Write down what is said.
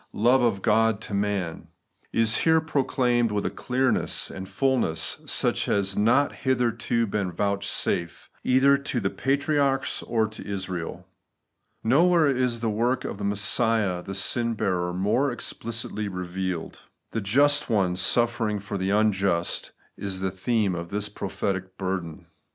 47 love of God to man, — \b here proclaimed with a clearness and fulness such as had not hitherto been vouchsafed either to the patriarchs or to Israel. Nowhere is the work of Messiah the sin bearer more explicitly revealed. The just One suffering for the imjust is the theme of this prophetic burden.